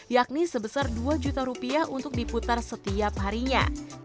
yakni sebesar dua juta rupiah untuk diputar setiap harinya